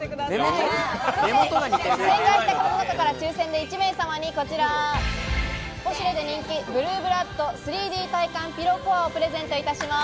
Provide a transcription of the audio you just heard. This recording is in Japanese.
正解した方の中から抽選で１名様にこちら、ポシュレで人気「ブルーブラッド３Ｄ体感ピローＣＯＲＥ」をプレゼントいたします。